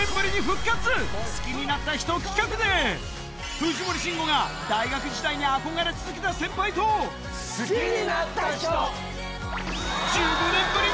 藤森慎吾が大学時代に憧れ続けた先輩と「好きになった人」。